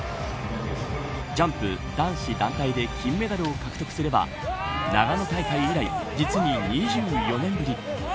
ジャンプ男子団体で金メダルを獲得すれば長野大会以来、実に２４年ぶり。